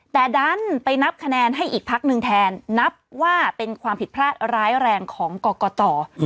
แต่ดันไปนับคะแนนให้อีกพักหนึ่งแทนนับว่าเป็นความผิดพลาดร้ายแรงของกรกต